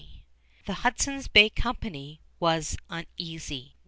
Lely)] The Hudson's Bay Company was uneasy.